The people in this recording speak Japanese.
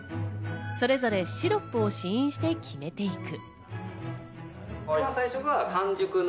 それぞれシロップを試飲して決めていく。